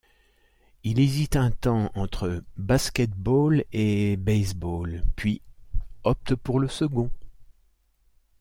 Il hésite un temps entre basket-ball et baseball, puis opte pour le second.